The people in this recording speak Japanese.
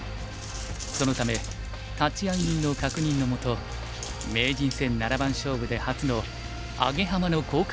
そのため立会人の確認のもと名人戦七番勝負で初のアゲハマの交換が行われた。